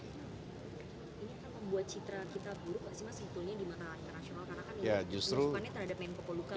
ini akan membuat citra kita buruk pak sima sehitungnya di mata internasional